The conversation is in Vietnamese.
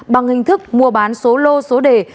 bằng hình thức mua bán số lô số đề